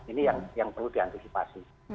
ini yang perlu diantisipasi